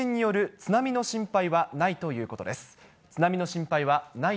津波の心配はないということです。